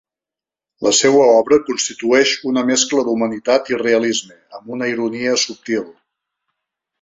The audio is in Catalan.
La seua obra constitueix una mescla d'humanitat i realisme, amb una ironia subtil.